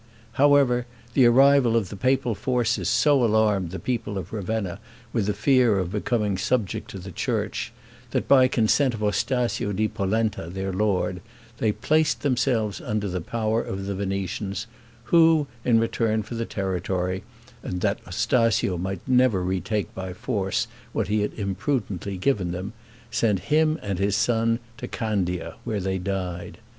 However, the arrival of the papal forces so alarmed the people of Ravenna with the fear of becoming subject to the church, that, by consent of Ostasio di Polenta their lord, they placed themselves under the power of the Venetians; who, in return for the territory, and that Ostasio might never retake by force what he had imprudently given them, sent him and his son to Candia, where they died.